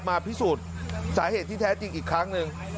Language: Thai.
พิสูจน์สาเหตุที่แท้จริงอีกครั้งหนึ่ง